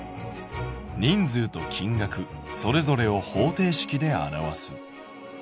「『人数と金額』それぞれを方程式で表す」。